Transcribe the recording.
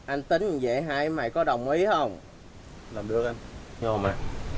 anh tính vậy hai mày có đồng ý không làm được anh ngồi mà